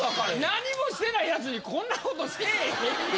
何もしてない奴にこんなことせえへんって。